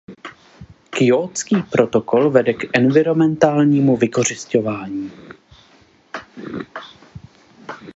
Kjótský protokol vede k enviromentálnímu vykořisťování.